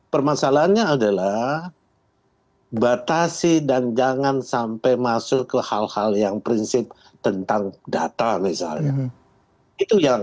permasalahannya adalah batasi dan jangan sampai masuk ke hal hal yang prinsip tentang data misalnya